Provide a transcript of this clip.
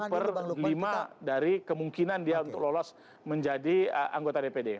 satu per lima dari kemungkinan dia untuk lolos menjadi anggota dpd